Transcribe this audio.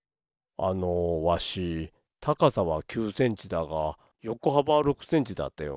あのわしたかさは９センチだがよこはばは６センチだったような。